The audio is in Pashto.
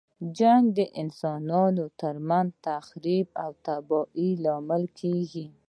جنګ د انسانانو تر منځ تخریب او تباهۍ لامل کیږي.